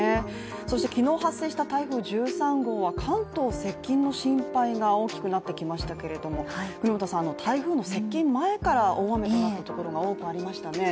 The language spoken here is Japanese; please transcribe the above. そして昨日発生した台風１３号は関東接近の心配が大きくなってきましたけど國本さん、台風の接近前から大雨となったところが多くありましたね。